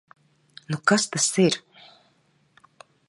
Nu kas tas ir?